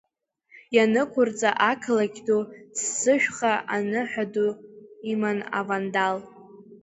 Ианықәырҵа ақалақь ду ццышәха, аныҳәа ду иман авандал.